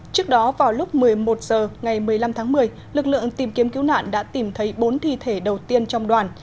trước đó vào lúc một mươi một h ngày một mươi năm tháng một mươi lực lượng tìm kiếm cứu nạn đã tìm thấy bốn thi thể đầu tiên trong đoàn